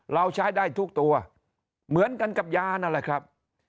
เราใช้ได้ทุกตัวเหมือนกันกับยานั่นแหละครับ